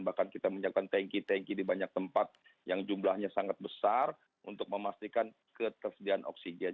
bahkan kita menyiapkan tanki tanki di banyak tempat yang jumlahnya sangat besar untuk memastikan ketersediaan oksigen